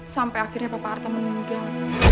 sampai akhirnya bapak arta meninggal